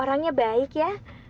orangnya baik ya